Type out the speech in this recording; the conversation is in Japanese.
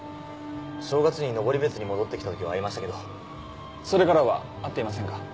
正月に登別に戻ってきた時は会いましたけどそれからは会っていませんか？